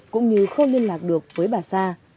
từ không liên lạc được với bà sa